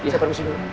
saya permisi dulu